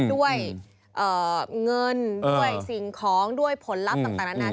ด้วยเงินด้วยสิ่งของด้วยผลลัพธ์ต่างนานา